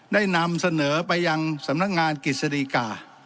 ได้นำเสนอไปยังสำนักงานกฤษฎีกา